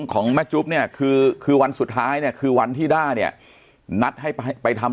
ของแม่จุพเนี่ยคือวันจอดคือวันที่ด้านี้